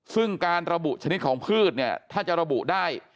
ซึ่งการระบุชนิดของพืชเนี่ยถ้าจะระบุได้